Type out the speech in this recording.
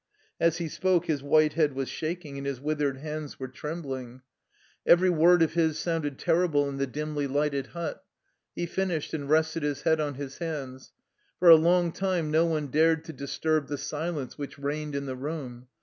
As he spoke his white head was shaking, and his withered hands were trembling. Every 137 THE LIFE STOKY OF A KUSSIAN EXILE word of Ms sounded terrible in the dimly lighted hut. He finished, and rested his head on his hands. For a long time no one dared to dis turb the silence which reigned in the room.